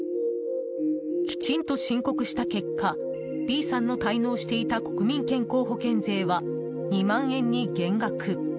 きちんと申告した結果Ｂさんの滞納していた国民健康保険税は２万円に減額。